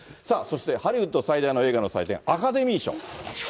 さあ、ハリウッド最大の映画の祭典、アカデミー賞。